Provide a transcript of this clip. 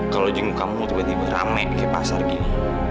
kalo jenguk kamu tiba tiba rame kayak pasar gini